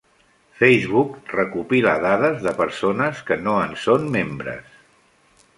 Facebook recopila dades de persones que no en són membres.